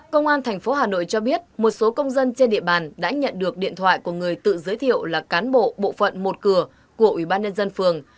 công an tp hà nội cho biết một số công dân trên địa bàn đã nhận được điện thoại của người tự giới thiệu là cán bộ bộ phận một cửa của ủy ban nhân dân phường